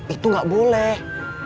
itu gak boleh